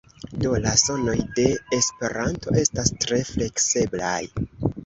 Do, la sonoj de esperanto estas tre flekseblaj.